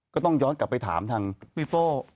ก็ต้องย้อนกลับไปถามทางพี่โป้